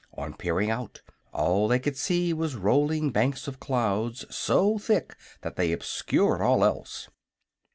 On peering out all they could see was rolling banks of clouds, so thick that they obscured all else.